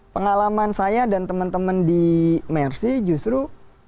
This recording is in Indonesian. pengalaman saya dan teman teman di mercy justru